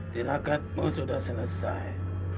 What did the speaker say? tilakatmu sudah selesai